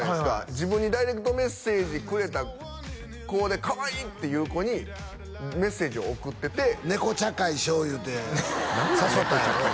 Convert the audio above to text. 自分にダイレクトメッセージくれた子でかわいいっていう子にメッセージを送ってて「猫茶会しよう」いうて誘ったんやろ？